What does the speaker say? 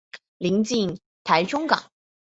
临近台中港。